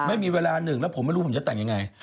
ไม่มีเวลาหนึ่งแล้วผมไม่รู้ผมจะแต่งยังไง